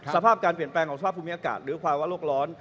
สภาพการเปลี่ยนแปลงของสภาพภูมิอากาศหรือภาวะโลกร้อน